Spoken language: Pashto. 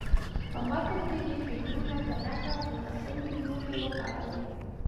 په متن کې دې فعلونه په نښه او په مناسبو جملو کې وکاروئ.